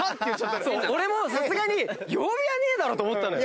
俺さすがに曜日はねえだろうと思ったのよ。